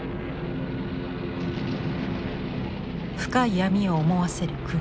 深い闇を思わせる黒。